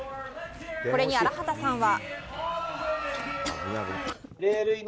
これに荒畑さんは。